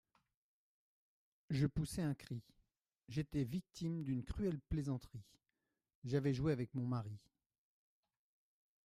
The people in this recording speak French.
Je poussai un cri ! j'étais victime d'une cruelle plaisanterie ; j'avais joué avec mon mari.